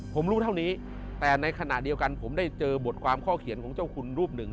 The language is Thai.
ผมรู้เท่านี้แต่ในขณะเดียวกันผมได้เจอบทความข้อเขียนของเจ้าคุณรูปหนึ่ง